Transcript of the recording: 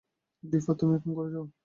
দিপা, তুমি এখন ঘরে যাও।